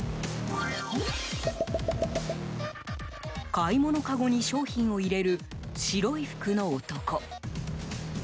買い物かごに商品を入れる白い服の男。